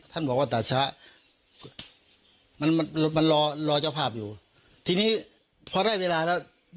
ท่านบอกว่าตัดช้ามันมันรอรอเจ้าภาพอยู่ทีนี้พอได้เวลาแล้ว